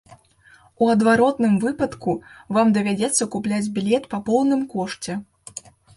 У адваротным выпадку вам давядзецца купляць білет па поўным кошце.